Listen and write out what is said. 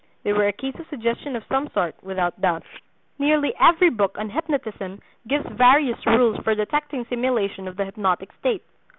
They were a case of suggestion of some sort, without doubt. Nearly every book on hypnotism gives various rules for detecting simulation of the hypnotic state.